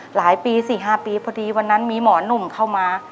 หลายปี๔๕ปีพอดีวันนั้นมีหมอหนุ่มเข้ามา